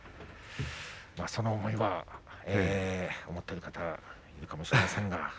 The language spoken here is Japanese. その思いは持っている方はいるかもしれません。